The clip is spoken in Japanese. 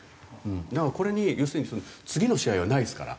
これに要するに次の試合はないですから。